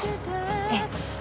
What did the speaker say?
ええ。